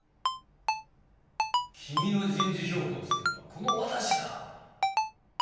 君の人事評価をするのはこの私だ。